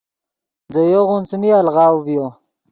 دے یوغون څیمی الغاؤ ڤیو۔